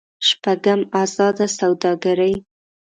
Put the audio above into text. شپږم: ازاده سوداګري.